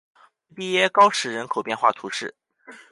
穆蒂耶高石人口变化图示